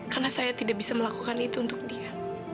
karena saya tidak bisa melakukan itu untuk dia